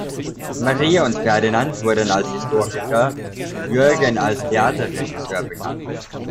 Maria und Ferdinand wurden als Historiker, Jürgen als Theaterregisseur bekannt.